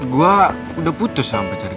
gue udah putus sama pacar gue